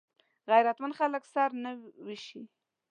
غیرتمند خلک سره نه وېشي